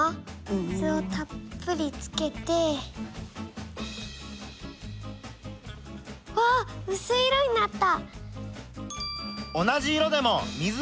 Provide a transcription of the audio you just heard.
水をたっぷりつけて。わうすい色になった！